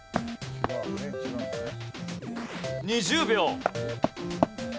２０秒。